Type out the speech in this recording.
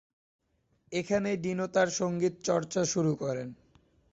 এখানেই ডিনো তার সঙ্গীতচর্চা শুরু করেন।